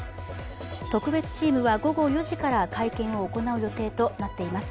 特別チームは午後４時から会見を行う予定となっています。